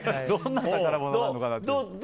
どんな宝物なのかなと。